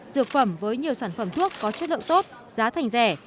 dược phẩm với nhiều sản phẩm thuốc có chất lượng tốt giá thành rẻ